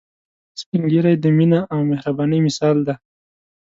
سپین ږیری د مينه او مهربانۍ مثال دي